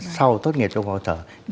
sau tốt nghiệp trung học thông công lập